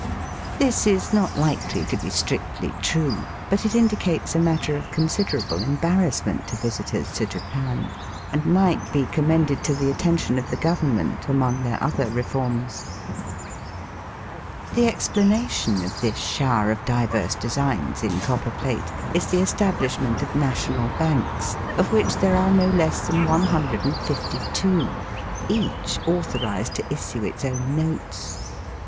This is not likely to be strictly true, but it indicates a matter of considerable embar rassment to visitors to Japan, and might be commended to the attention of the Govern ment among their other reforms. The explanation of this shower of diverse designs in copper plate is the establishment of national banks, of which there are no less than 162, each authorized to issue its own notes.